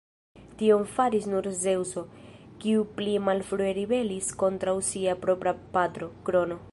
Tion faris nur Zeŭso, kiu pli malfrue ribelis kontraŭ sia propra patro, Krono.